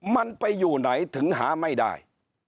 มันไปอยู่ไหนถึงหาไม่ได้